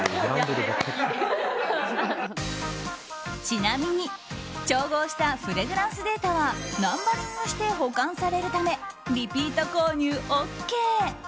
ちなみに調合したフレグランスデータはナンバリングして保管されるためリピート購入ＯＫ。